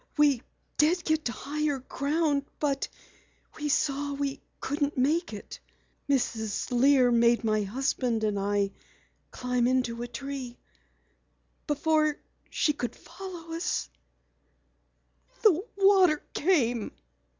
We did get to higher ground but we saw we couldn't make it. Mrs. Lear made my husband and me climb into a tree. Before she could follow us, the water came."